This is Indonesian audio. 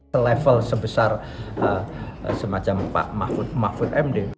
selevel sebesar semacam pak mahfud md